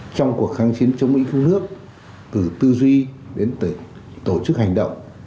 trong cuộc kháng chiến chống mỹ thiếu nước từ tư duy đến tổ chức hành động